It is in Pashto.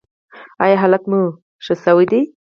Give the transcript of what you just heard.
ایا حالت مو ښه شوی دی؟